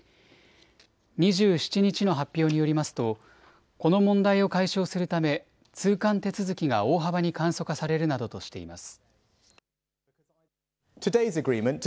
２７日の発表によりますとこの問題を解消するため通関手続きが大幅に簡素化されるなどとしています。